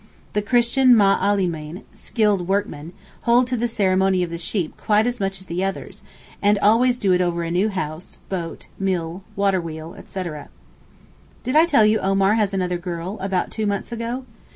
The Christian Ma allimeen (skilled workmen) hold to the ceremony of the sheep quite as much as the others, and always do it over a new house, boat, mill, waterwheel etc. Did I tell you Omar has another girl—about two months ago?